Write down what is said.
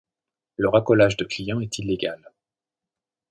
Le racolage de clients est illégal.